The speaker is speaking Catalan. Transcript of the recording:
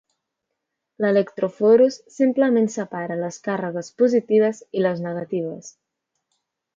L'electrofhorus simplement separa les càrregues positives i les negatives.